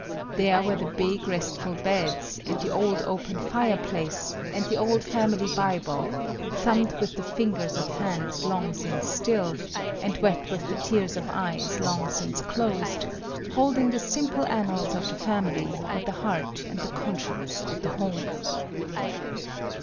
There were the big, restful beds and the old, open fireplace, and the old family Bible, thumbed with the fingers of hands long since still, and wet with the tears of eyes long since closed, holding the simple annals of the family and the heart and the conscience of the home.